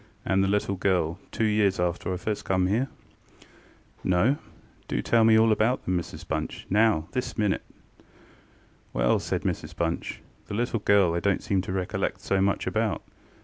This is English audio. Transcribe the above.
and the little girl, two years after I first come here? ŌĆØ ŌĆ£No. Do tell me all about them, Mrs BunchŌĆönow, this minute! ŌĆØ ŌĆ£Well, ŌĆØ said Mrs Bunch, ŌĆ£the little girl I donŌĆÖt seem to recollect so much about.